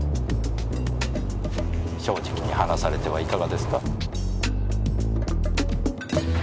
正直に話されてはいかがですか？